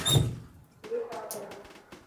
پوليس آئي هي.